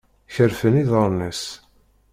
Kerfen iḍaṛen-is.